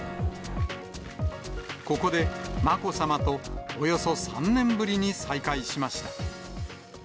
ここでまこさまとおよそ３年ぶりに再会しました。